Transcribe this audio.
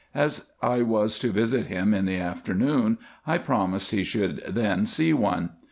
As I was to visit him in the afternoon, I promised he should then see one.